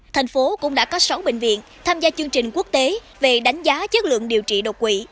thành phố cũng đã có sáu bệnh viện tham gia chương trình quốc tế về đánh giá chất lượng điều trị đột quỷ